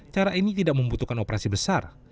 cara ini tidak membutuhkan operasi besar